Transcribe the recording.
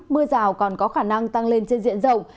mưa rào còn có khả năng tăng lên trên diện rộng